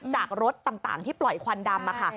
จากรถต่างที่ปล่อยควันดำค่ะ